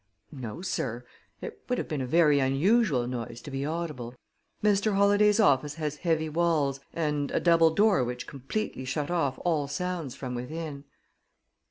"No, sir. It would have been a very unusual noise to be audible. Mr. Holladay's office has heavy walls and a double door which completely shut off all sounds from within."